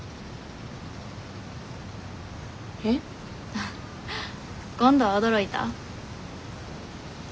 あっ今度は驚いた？